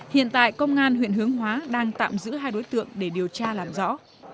hiện tại công an huyện hướng hóa đang tạm giữ hai đối tượng để điều tra làm rõ